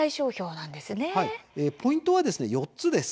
ポイントは４つです。